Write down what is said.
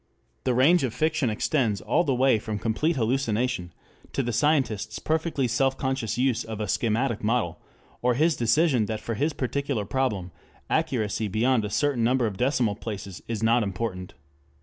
The range of fiction extends all the way from complete hallucination to the scientists' perfectly self conscious use of a schematic model, or his decision that for his particular problem accuracy beyond a certain number of decimal places is not important.